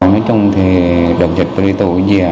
nói chung thì đợt dịch tôi đi tụi tôi về